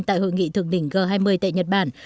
tại hội nghị thượng đỉnh g hai mươi tại nhật bản